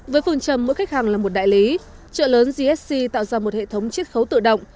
với phương trầm mỗi khách hàng là một đại lý trợ lớn gsc tạo ra một hệ thống chiếc khấu tự động